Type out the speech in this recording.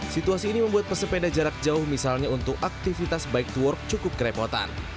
situasi ini membuat pesepeda jarak jauh misalnya untuk aktivitas bike to work cukup kerepotan